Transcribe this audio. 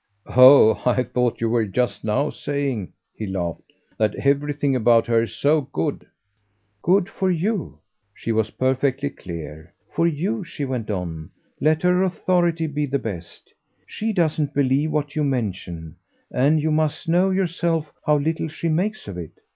"Oh I thought you were just now saying," he laughed, "that everything about her's so good." "Good for you" she was perfectly clear. "For you," she went on, "let her authority be the best. She doesn't believe what you mention, and you must know yourself how little she makes of it.